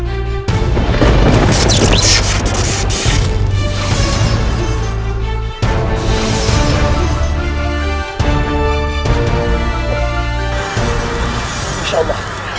insya allah ada